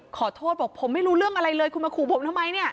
ขอโทษบอกผมไม่รู้เรื่องอะไรเลยคุณมาขู่ผมทำไมเนี่ย